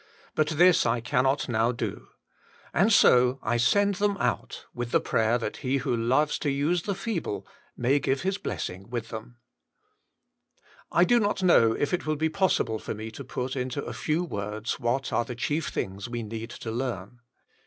But this I cannot now do. And so I send them out with the prayer that He who loves to use the feeble may give His blessing with them I do not know if it will be possible for me to put into a few words what are the chief things we need to learn.